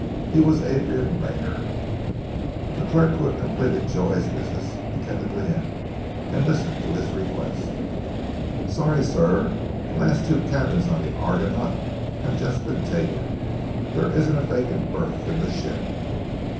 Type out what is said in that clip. He was Adrian Rayner. The clerk who had completed Joy's business attended to him and listened to his request. "Sorry, sir! The last two cabins on the Argonaut have just been taken. There isn't a vacant berth in the ship."